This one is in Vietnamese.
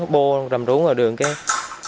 bô rầm rú ngoài đường kia